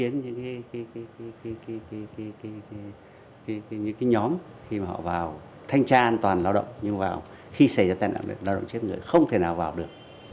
những nhóm khi mà họ vào thanh tra an toàn lao động nhưng vào khi xảy ra tai nạn lao động chết người không thể nào vào được